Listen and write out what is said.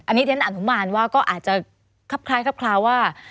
อันนี้เทียนอนุมานว่าก็อาจจะคล้ายว่า